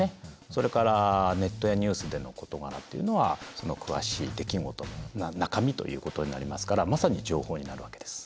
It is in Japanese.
それからネットやニュースでの事柄っていうのはその詳しい出来事の中身ということになりますからまさに情報になるわけです。